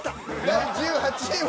第１８位は。